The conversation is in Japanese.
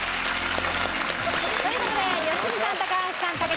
という事で良純さん高橋さん武田さん大正解！